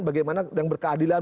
bagaimana yang berkeadilan